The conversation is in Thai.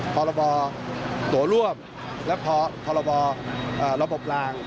พรบตัวร่วมและพรบระบบลาง